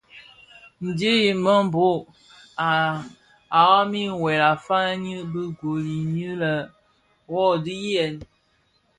Ndhi i Mbhöbhög a ndhami wuèl a faňi bi gul nwe lè: wuodhi yèn !